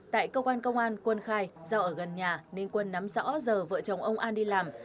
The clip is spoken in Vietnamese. tại cơ quan công an quân khai do ở gần nhà nên quân nắm rõ giờ vợ chồng ông an đi làm